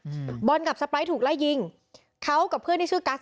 อืมบอลกับสไปร์ทถูกไล่ยิงเขากับเพื่อนที่ชื่อกัส